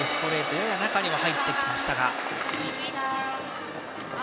やや中に入ってきましたが。